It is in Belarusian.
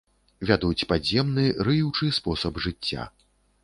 Вядуць падземны, рыючы спосаб жыцця.